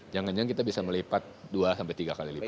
jangan jangan kita bisa melipat dua sampai tiga kali lipat